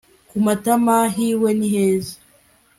kumatama hiwe ni heza